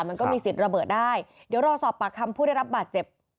มันก็มีสิทธิ์ระเบิดได้เดี๋ยวรอสอบปากคำผู้ได้รับบาดเจ็บ